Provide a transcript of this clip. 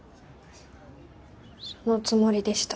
そのつもりでした。